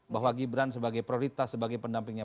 bahwa gibran sebagai prioritas sebagai pendampingnya